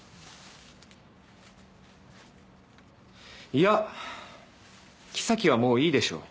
いやキサキはもういいでしょう。